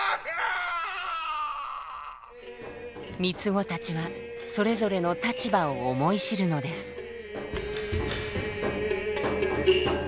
三つ子たちはそれぞれの立場を思い知るのです。